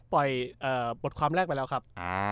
ปล่อยบทความแรกไปแล้วครับ